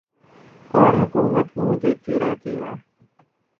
اور حکومت منہ دیکھتی رہتی ہے